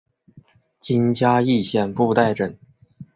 今嘉义县布袋镇。